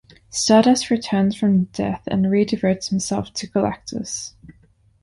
Stardust returns from death and re-devotes himself to Galactus.